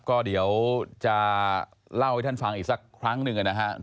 ก็เดี๋ยวจะเล่าให้ท่านฟังอีกสักครั้งหนึ่งนะครับ